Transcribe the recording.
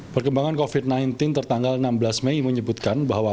perkembangan covid sembilan belas tertanggal enam belas mei menyebutkan bahwa